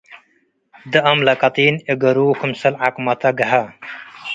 ደአም ለቀጢን እገሩ ክምሰል ዐቅመተ ገሀ።